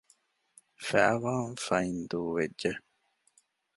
ފައިވާން ފައިން ދޫވެއްޖެ